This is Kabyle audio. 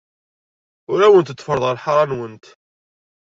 Ur awent-d-ferrḍeɣ lḥaṛa-nwent.